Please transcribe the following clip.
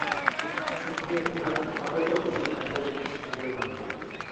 چۈنكى، مەن مۇھەببىتىڭ ئۈچۈن ھەممىدىن كېچىشكە تەييارلانغان ئىدىم.